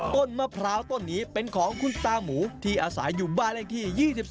ต้นมะพร้าวต้นนี้เป็นของคุณตาหมูที่อาศัยอยู่บ้านเลขที่๒๔